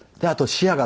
視野が